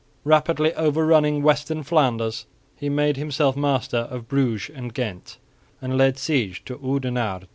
Rapidly overrunning western Flanders he made himself master of Bruges and Ghent and laid siege to Oudenarde.